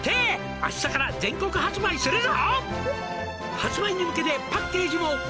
明日から全国発売するぞ」